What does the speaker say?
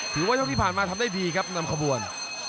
ถือว่าเท่าที่ผ่านมาทำได้ดีครับน้ำคมบ่วน